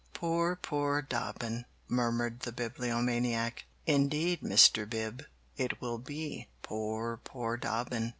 "Poor, poor Dobbin!" murmured the Bibliomaniac. "Indeed, Mr. Bib, it will be poor, poor Dobbin!"